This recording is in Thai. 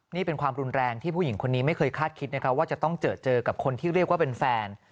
นี่เป็นความรุนแรงที่ผู้หญิงคนนี้ไม่เคยคาดคิดนะครับว่าจะต้องเจอเจอกับคนที่เรียกว่าเป็นแฟน